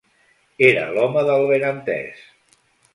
Era l'home del ben entès